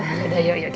yaudah yuk yuk yuk